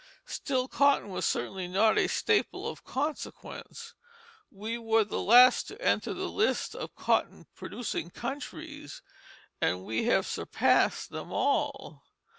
Still cotton was certainly not a staple of consequence. We were the last to enter the list of cotton producing countries and we have surpassed them all.